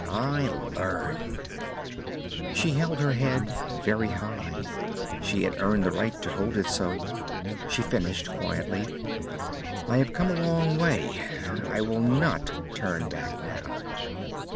I learned." She held her head very high. She had earned the right to hold it so. She finished quietly, "I have come a long way. I will not turn back now."